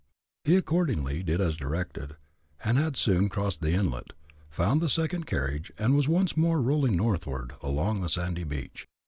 He accordingly did as directed, and had soon crossed the inlet, found the second carriage, and was once more rolling northward, along the sandy beach.